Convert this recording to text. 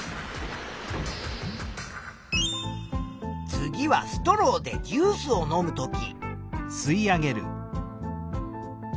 次はストローでジュースを飲むとき。